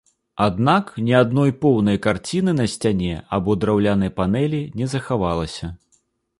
Аднак ні адной поўнай карціны на сцяне або драўлянай панэлі не захавалася.